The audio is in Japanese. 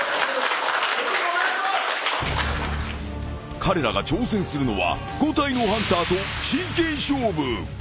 ［彼らが挑戦するのは５体のハンターと真剣勝負］